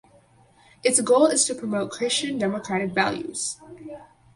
Its goal is to promote Christian democratic values.